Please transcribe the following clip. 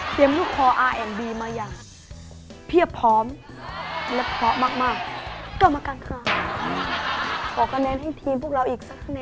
เพราะพวกเราก็ทีม